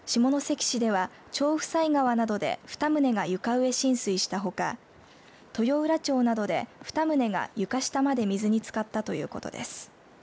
下関市では長府才川などで２棟が床上浸水したほか豊浦町などで２棟が床下まで水につかったということです。